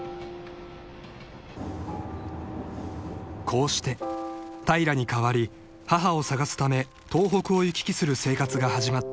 ［こうして平に代わり母を捜すため東北を行き来する生活が始まった朝顔］